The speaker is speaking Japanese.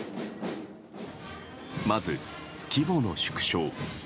まず、規模の縮小。